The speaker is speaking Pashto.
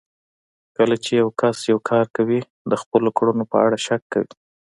کله چې يو کس يو کار کوي د خپلو کړنو په اړه شک کوي.